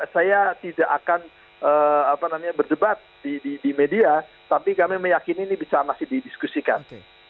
saya tidak akan berdebat di media tapi kami meyakini ini bisa masih didiskusikan